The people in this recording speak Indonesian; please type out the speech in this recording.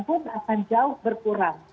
pun akan jauh berkurang